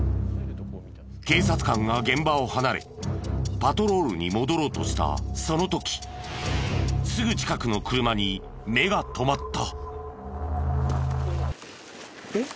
警察官が現場を離れパトロールに戻ろうとしたその時すぐ近くの車に目が留まった。